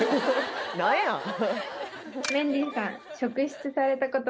何やメンディーさん